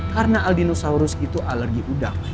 karena albinosaurus itu alergi udang